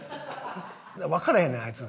わからへんねんあいつ。